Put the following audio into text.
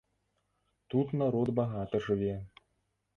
Тут народ багата жыве.